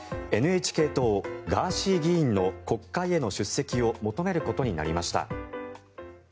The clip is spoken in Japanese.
ＮＨＫ党、ガーシー議員の国会への出席を求めることになりました。